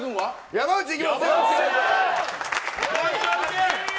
山内いきます。